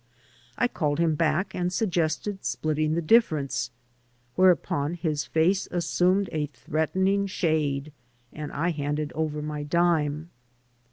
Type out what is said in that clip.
I called him back and suggested splitting the difference. Whereupon his face? assumed a threatening shade and I handed over my dime.